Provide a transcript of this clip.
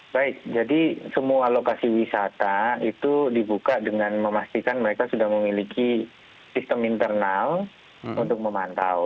baik jadi semua lokasi wisata itu dibuka dengan memastikan mereka sudah memiliki sistem internal untuk memantau